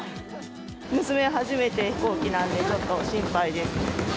娘、初めて飛行機なので、ちょっと心配です。